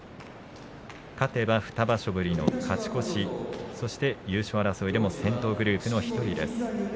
勝てば２場所ぶりの勝ち越しそして優勝争いでも先頭グループの１人です。